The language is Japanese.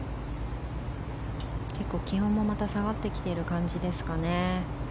気温もまた下がってきている感じですかね。